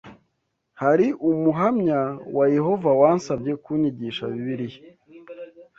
Hari Umuhamya wa Yehova wansabye kunyigisha Bibiliya